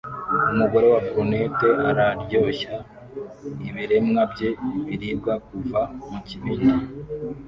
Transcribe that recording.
Umugore wa brunette araryoshya ibiremwa bye biribwa kuva mukibindi